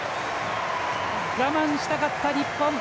我慢したかった日本。